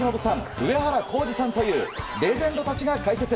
上原浩治さんというレジェンドたちが解説。